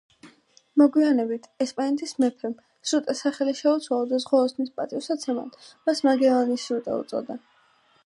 მოგვიანებით, ესპანეთის მეფემ, სრუტეს სახელი შეუცვალა და ზღვაოსნის პატივსაცემად მას მაგელანის სრუტე უწოდა.